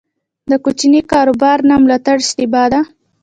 د کوچني کاروبار نه ملاتړ اشتباه ده.